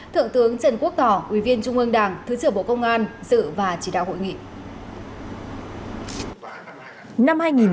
thượng tướng trần quốc tỏ ủy viên trung ương đảng thứ trưởng bộ công an dự và chỉ đạo hội nghị